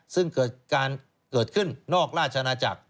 ซึ่งเกิดขึ้นนอกราชนาจักร